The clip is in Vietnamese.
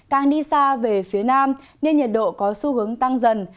càng đi xa về phía nam nên nhiệt độ có xu hướng tăng dần